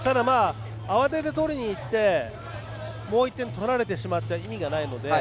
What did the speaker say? ただ、慌てて取りにいってもう１点取られてしまっては意味がないので。